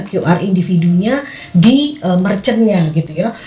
qr individunya di merchant nya gitu ya